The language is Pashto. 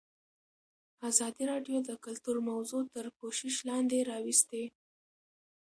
ازادي راډیو د کلتور موضوع تر پوښښ لاندې راوستې.